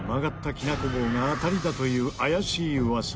きなこ棒が当たりだという怪しい噂。